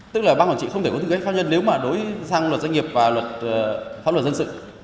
tức là ban quản trị không thể có tư cách pháp nhân nếu mà đối sang luật doanh nghiệp và luật pháp luật dân sự